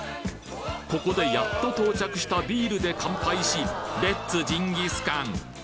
ここでやっと到着したビールで乾杯しレッツジンギスカン！